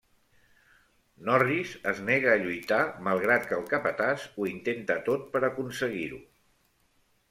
Norris es nega a lluitar malgrat que el capatàs ho intenta tot per aconseguir-ho.